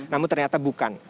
namun ternyata bukan